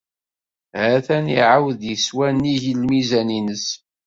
Ha-t-an iɛawed yeswa nnig lmizan-is.